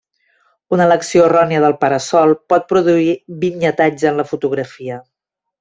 Una elecció errònia del para-sol pot produir vinyetatge en la fotografia.